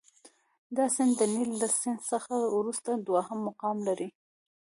دا سیند د نیل له سیند څخه وروسته دوهم مقام لري.